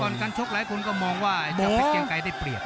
ก่อนการชกแล้วคนก็มองว่าจะไปเกี่ยวใกล้ได้เปรียบ